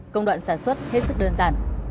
công đoạn sản xuất hết sức đơn giản